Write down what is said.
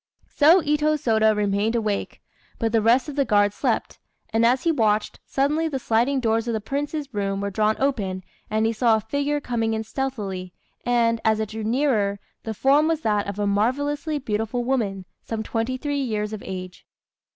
So Itô Sôda remained awake, but the rest of the guard slept; and as he watched, suddenly the sliding doors of the Prince's room were drawn open, and he saw a figure coming in stealthily, and, as it drew nearer, the form was that of a marvellously beautiful woman some twenty three years of age.